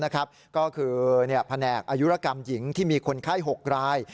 ก็คือแผนกอายุรกรรมหญิงที่มีคนไข้๖ราย